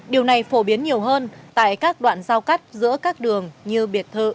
điều này phổ biến nhiều hơn tại các đoạn giao cắt giữa các đường như biệt thự